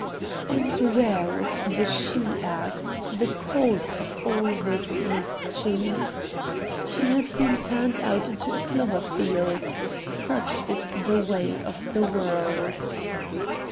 And where was the she ass, the cause of all this mischief? She had been turned out into a clover field. Such is the way of the world.